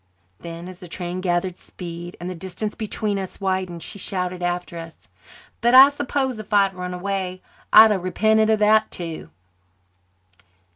Then, as the train gathered speed and the distance between us widened, she shouted after us, "But I s'pose if I had run away I'd have repented of that too."